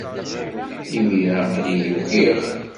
Imir-a, aql-iyi ukiɣ.